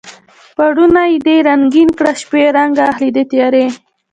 پوړونی دې رنګین کړه شپې رنګ اخلي د تیارې